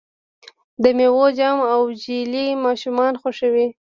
د میوو جام او جیلی ماشومان خوښوي.